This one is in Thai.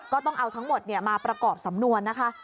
ก็ต้องเอาทั้งหมดมาประกอบสำนวนนะคะ